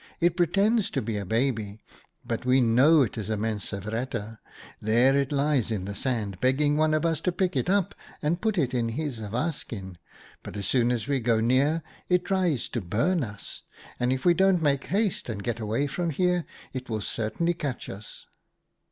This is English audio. * It pretends to be a baby, but we know it is a mensevreter. There it lies in the sand, begging one of us to pick it up and put it in his awa skin, but as soon as we go near, it tries to burn us ; and if we don't make haste and get away from here, it will certainly catch us.'